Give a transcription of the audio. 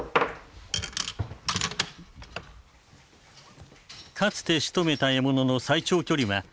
かつてしとめた獲物の最長距離は８１０メートル。